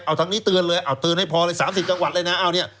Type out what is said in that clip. เอาทางนี้เตือนเลยเอาเตือนให้พอเลย๓๐จังหวัดเลยนะเอาเนี่ย